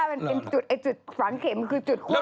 มันเป็นจุดฝังเข็มมันคือจุดควบคุมไฟฟ้า